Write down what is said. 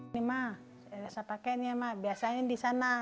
ini mah saya pakai ini mah biasanya di sana